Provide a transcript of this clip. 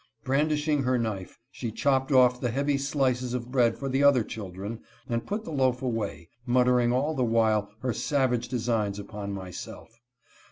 Brandishing her knife, she chopped off the heavy slices of bread for the other children, and put the loaf away, muttering all the while her savage designs upon myself.